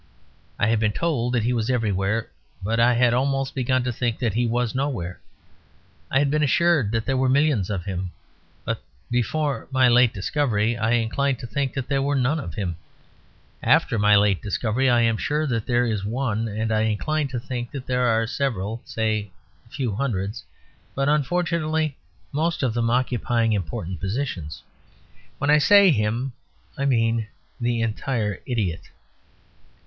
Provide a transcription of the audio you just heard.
I had been told that he was everywhere; but I had almost begun to think that he was nowhere. I had been assured that there were millions of him; but before my late discovery I inclined to think that there were none of him. After my late discovery I am sure that there is one; and I incline to think that there are several, say, a few hundreds; but unfortunately most of them occupying important positions. When I say "him," I mean the entire idiot.